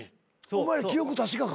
お前ら記憶確かか？